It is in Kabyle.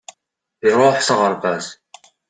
Iruḥ s aɣerbaz.